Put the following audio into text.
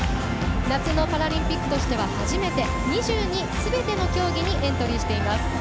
夏のパラリンピックとしては初めて、２２すべての競技にエントリーしています。